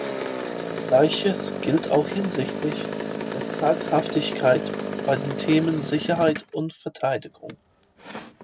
Gleiches gilt auch hinsichtlich der Zaghaftigkeit bei den Themen Sicherheit und Verteidigung.